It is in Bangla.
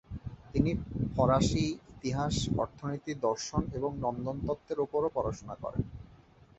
তিনি ফরাসি, ইতিহাস, অর্থনীতি, দর্শন এবং নন্দনতত্ত্বের ওপরও পড়াশোনা করেন।